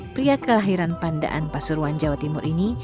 pria kelahiran pandaan pasuruan jawa timur ini